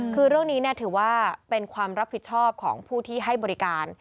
คือเรื่องนี้ถือว่าเป็นความรับผิดชอบของผู้ที่ให้บริการ